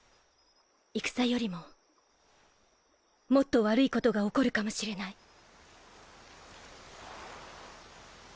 戦よりももっと悪い事が起こるかもしれない。